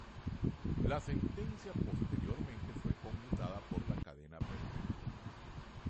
La sentencia posteriormente fue conmutada por la cadena perpetua.